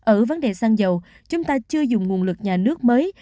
ở vấn đề xăng dầu chúng ta chưa dùng nguồn lực nhà nước mới